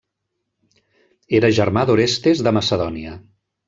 Era germà d'Orestes de Macedònia.